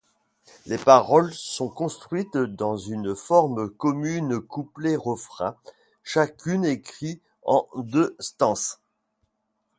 Les paroles sont construites dans une forme commune couplet-refrain, chacune écrit en deux stances.